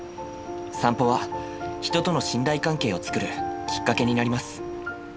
散歩は人との信頼関係をつくるきっかけになります。